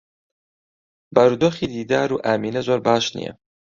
بارودۆخی دیدار و ئامینە زۆر باش نییە.